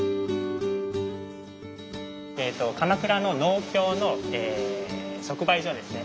鎌倉の農協の即売所ですね。